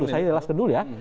dulu saya jelas dulu ya